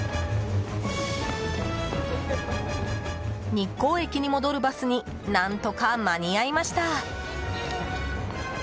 日光駅に戻るバスに何とか間に合いました。